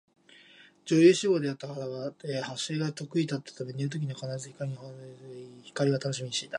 女優志望であった母は発声が得意だったため寝る時には必ず光に本を毎晩読み聞かせており、光は楽しみにしていた